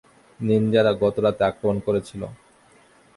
নিন্জারা গতরাতে আক্রমণ করেছিল।